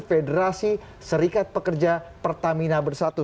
federasi serikat pekerja pertamina bersatu